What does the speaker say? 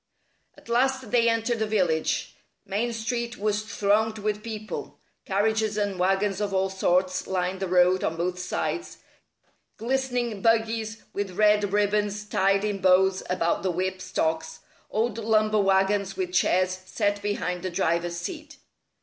At last they entered the village. Main Street was thronged with people. Carriages and wagons of all sorts lined the road on both sides glistening buggies with red ribbons tied in bows about the whip stocks, old lumber wagons with chairs set behind the driver's seat.